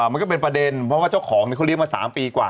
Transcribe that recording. มันก็เป็นประเด็นเพราะว่าเจ้าของเขาเลี้ยงมา๓ปีกว่า